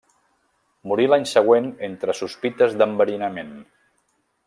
Morí l'any següent entre sospites d'enverinament.